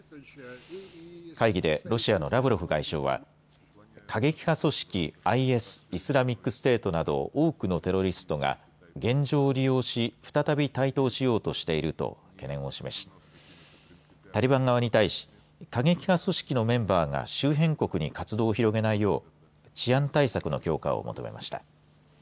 会議でロシアのラブロフ外相は過激派組織ＩＳイスラミックステートなど多くのテロリストが現状を利用し再び台頭しようとしていると懸念を示しタリバン側に対し過激派組織のメンバーが周辺国に活動を広げないよう治安対策の強化を求めました。